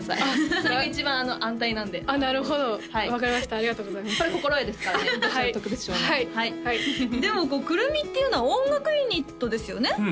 それが一番安泰なんであっなるほど分かりましたありがとうございますそれ心得ですからね読者特別賞のでも９６３っていうのは音楽ユニットですよね？